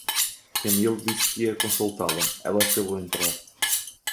Camilo disse que ia consultá-la, ela fê-lo entrar.